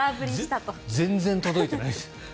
全然届いてない。